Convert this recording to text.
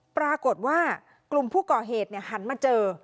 ปรากฏว่ากลุ่มผู้ก่อเหตุหันมาเจอ